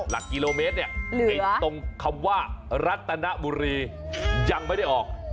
หลักกิโลเมตรเนี่ยไอ้ตรงคำว่ารัตนบุรียังไม่ได้ออก